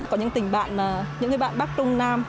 có những tỉnh bạn những bạn bắc trung nam